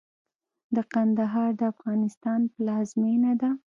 د کندهار د افغانستان پلازمېنه ده.